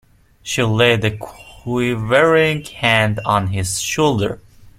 She laid a quivering hand on his shoulder.